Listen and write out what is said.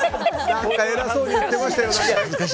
何か偉そうに言ってましたよね。